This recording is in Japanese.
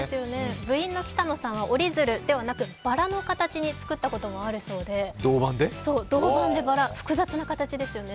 部員の北野さんは折り鶴ではなく、ばらの形に作ったこともあるそうで銅板でばら、複雑な形ですよね。